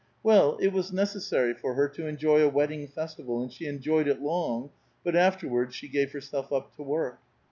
Well, it was necessary for her to enjoy a wedding festival, and she enjoyed it long, but afterwaixls she gave herself up to work.